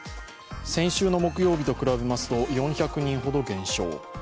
先週の木曜日と比べますと４００人ほど減少。